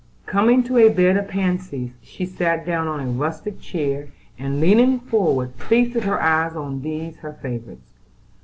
Coming to a bed of pansies she sat down on a rustic chair, and, leaning forward, feasted her eyes on these her favorites.